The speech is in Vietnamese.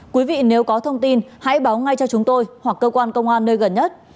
quý vị nếu có thông tin hãy báo ngay cho chúng tôi hoặc cơ quan công an nơi gần nhất